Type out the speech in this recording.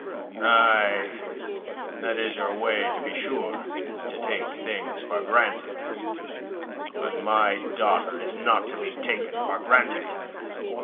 Aye, that is your way, to be sure to take things for granted. But my daughter is not to be taken for granted.